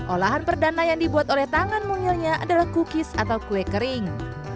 olahan perdana yang dibuat oleh tangan mungilnya adalah cookies atau kue kering